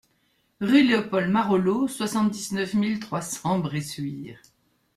Rue Léopold Marolleau, soixante-dix-neuf mille trois cents Bressuire